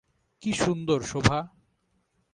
কি সুন্দর শােভা!